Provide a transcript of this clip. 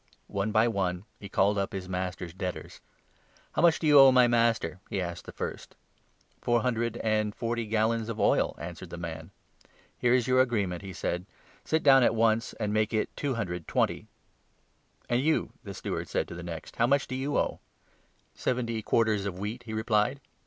One by one he 5 called up his master's debtors. ' How much do you owe my master ?' he asked of the first. ' Four hundred and forty 6 gallons of oil,' answered the man. ' Here is your agreement,' he said ;' sit down at once and make it two hundred and twenty. And you,' the steward said to the next, 'how much 7 do you owe ?'' Seventy quarters of wheat,' he replied.